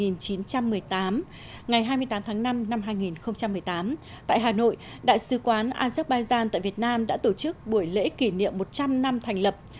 ngày hai mươi tám tháng năm năm hai nghìn một mươi tám tại hà nội đại sứ quán azerbaijan tại việt nam đã tổ chức buổi lễ kỷ niệm một trăm linh năm thành lập